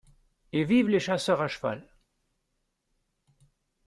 Et vivent les chasseurs à cheval!